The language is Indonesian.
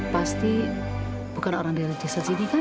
pasti bukan orang daerah desa sini kan